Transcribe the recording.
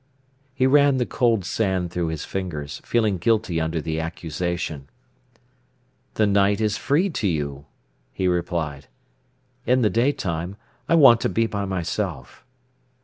He ran the cold sand through his fingers, feeling guilty under the accusation. "The night is free to you," he replied. "In the daytime I want to be by myself."